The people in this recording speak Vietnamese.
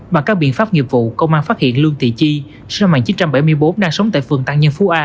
bằng các biện pháp nghiệp vụ công an phát hiện lương thị chi sân mạng chín trăm bảy mươi bốn đang sống tại phường tạng nhân phú a